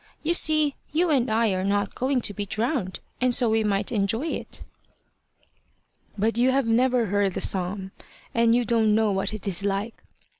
You see you and I are not going to be drowned, and so we might enjoy it." "But you have never heard the psalm, and you don't know what it is like.